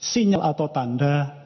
sinyal atau tanda